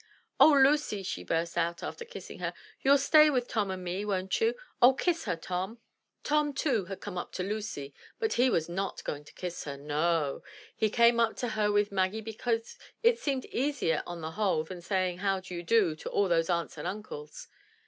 "Oh, Lucy," she burst out, after kissing her, "you'll stay with Tom and me, won't you? Oh, kiss her, Tom." 220 THE TREASURE CHEST Tom, too, had come up to Lucy, r but he was not going to kiss her — no; he came up to her with Maggie be cause it seemed easier on the whole than saying, "How do you do?" to all those aunts and uncles.